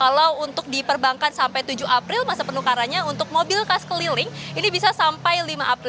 kalau untuk di perbankan sampai tujuh april masa penukarannya untuk mobil khas keliling ini bisa sampai lima april